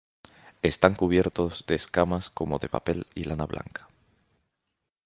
Están cubiertos de escamas como de papel y lana blanca.